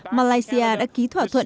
malaysia đã ký thỏa thuận